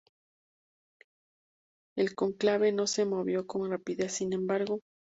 El cónclave no se movió con rapidez, sin embargo.